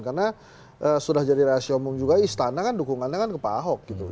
karena sudah jadi rahasia umum juga istana kan dukungannya kan ke pak ahok gitu